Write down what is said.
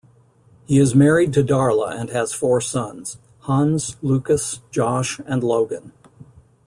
He is married to Darla and has four sons: Hans, Lucas, Josh, and Logan.